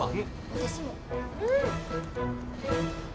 私も。